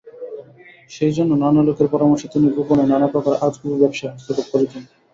সেইজন্য নানা লোকের পরামর্শে তিনি গোপনে নানাপ্রকার আজগুবি ব্যবসায়ে হস্তক্ষেপ করিতেন।